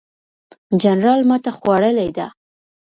جنرال ماته خوړلې ده.